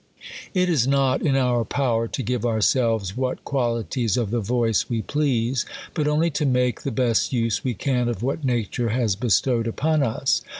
It is not in our power to give ourselves w^hat qual ities of the voice we please ; but only to make the best use we can of what nature has bestowed upon us.